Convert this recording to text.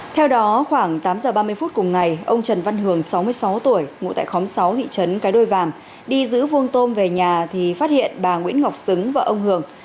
theo đó khoảng tám giờ ba mươi phút cùng ngày ông trần văn hường sáu mươi sáu tuổi ngụ tại khóm sáu thị trấn cái đôi vàm đi giữ vuông tôm về nhà thì phát hiện bà nguyễn ngọc xứng và ông hường